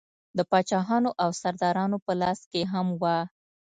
د پاچاهانو او سردارانو په لاس کې هم وه.